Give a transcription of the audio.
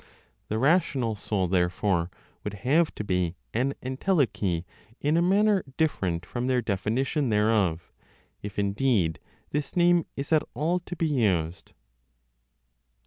The rational soul, therefore, would have to be an entelechy in a manner different from their definition thereof, if indeed this name is at all to be used.